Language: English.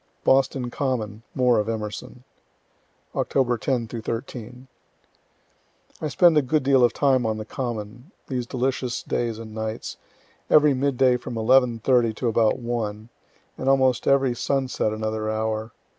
BOSTON COMMON MORE OF EMERSON Oct. 10 13. I spend a good deal of time on the Common, these delicious days and nights every mid day from 11.30 to about 1 and almost every sunset another hour.